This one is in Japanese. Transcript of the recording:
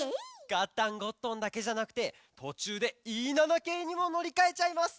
「ガッタン＆ゴットン」だけじゃなくてとちゅうで「Ｅ７系」にものりかえちゃいます！